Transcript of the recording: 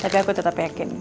tapi aku tetap yakin